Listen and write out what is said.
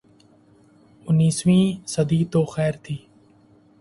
انیسویں صدی تو خیر تھی۔